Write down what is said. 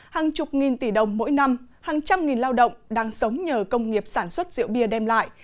hàng chục nghìn tỷ đồng mỗi năm hàng trăm nghìn lao động đang sống nhờ công nghiệp sản xuất rượu bia đem lại